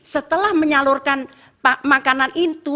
setelah menyalurkan makanan itu